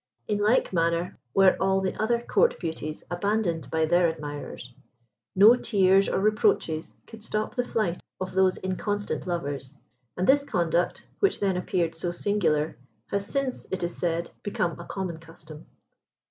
In like manner were all the other Court beauties abandoned by their admirers. No tears or reproaches could stop the flight of those inconstant lovers, and this conduct, which then appeared so singular, has since, it is said, become a common custom.